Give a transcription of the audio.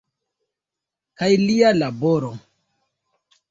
Kaj lia laboro.